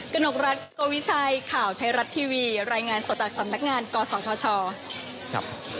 กนกรัฐโกวิชัยข่าวไทยรัฐทีวีรายงานสดจากสำนักงานกศธชครับ